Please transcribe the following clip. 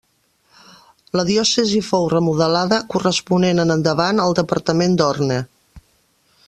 La diòcesi fou remodelada, corresponent en endavant al departament de l'Orne.